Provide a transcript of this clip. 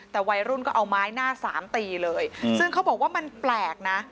แต่วัยรุ่นก็เอาไม้หน้าสามตีเลยซึ่งเขาบอกว่ามันแปลกนะ